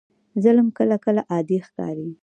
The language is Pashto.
ظلم کله کله عادي ښکاري.